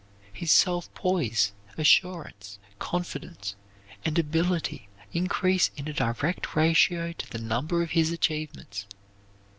His self poise, assurance, confidence, and ability increase in a direct ratio to the number of his achievements.